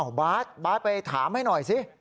อ้าวบาร์ทบาร์ทไปถามให้หน่อยสิ